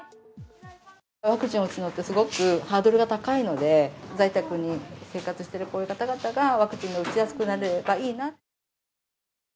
ワクチンを打つのって、すごくハードルが高いので、在宅に生活しているこういう方々がワクチンを打ちやすくなればいいなと。